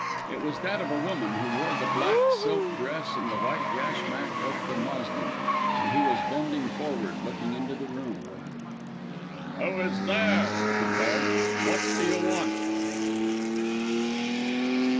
It was that of a woman who wore the black silk dress and the white yashmak of the Moslem, and who was bending forward looking into the room. "Who is there?" he called. "What do you want?"